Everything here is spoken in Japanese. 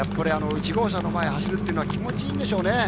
１号車の前を走るっていうのは気持ちいいんでしょうね。